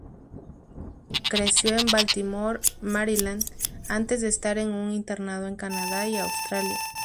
Creció en Baltimore, Maryland, antes de estar en un internado en Canadá y Australia.